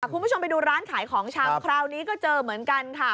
คุณผู้ชมไปดูร้านขายของชำคราวนี้ก็เจอเหมือนกันค่ะ